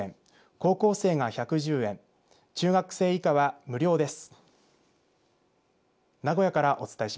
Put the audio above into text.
高校生が１１０円中学生以下は無料です。